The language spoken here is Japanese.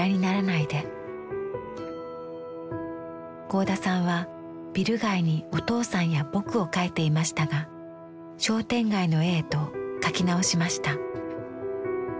合田さんはビル街にお父さんや「ぼく」を描いていましたが商店街の絵へと描き直しました。